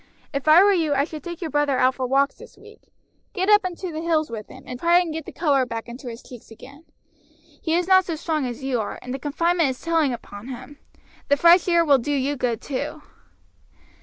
If I were you I should take your brother out for walks this week. Get up into the hills with him, and try and get the color back into his cheeks again. He is not so strong as you are, and the confinement is telling upon him the fresh air will do you good, too."